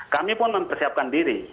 kami pun mempersiapkan diri